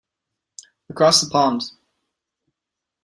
Across the pond.